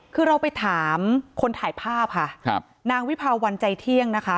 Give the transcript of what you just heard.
คือเราไปถามคนถ่ายภาพค่ะครับนางวิภาวันใจเที่ยงนะคะ